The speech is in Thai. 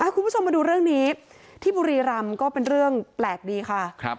คุณผู้ชมมาดูเรื่องนี้ที่บุรีรำก็เป็นเรื่องแปลกดีค่ะ